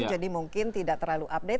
jadi mungkin tidak terlalu update